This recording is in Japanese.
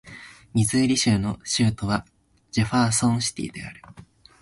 ミズーリ州の州都はジェファーソンシティである